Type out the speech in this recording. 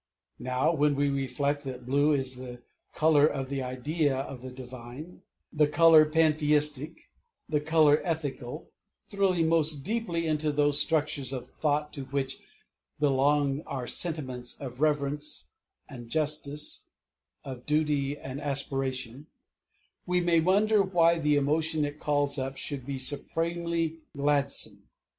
Now when we reflect that blue is the color of the idea of the divine, the color pantheistic, the color ethical, thrilling most deeply into those structures of thought to which belong our sentiments of reverence and justice, of duty and of aspiration, we may wonder why the emotion it calls up should be supremely gladsome.